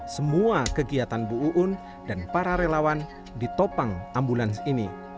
semua kegiatan bu uun dan para relawan ditopang ambulans ini